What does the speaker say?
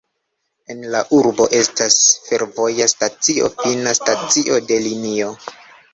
En la urbo estas fervoja stacio, fina stacio de linio.